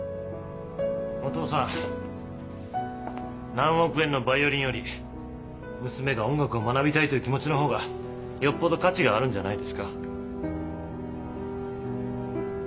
何億円のバイオリンより娘が音楽を学びたいという気持ちのほうがよっぽど価値があるんじゃないですか？